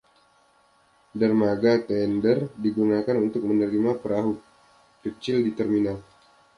Dermaga tender digunakan untuk menerima perahu kecil di terminal.